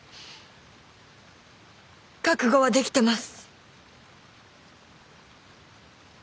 覚悟はできてます。